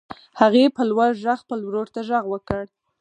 هغې په لوړ غږ خپل ورور ته غږ وکړ.